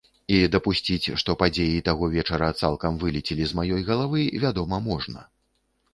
І дапусціць, што падзеі таго вечара цалкам вылецелі з маёй галавы, вядома, можна.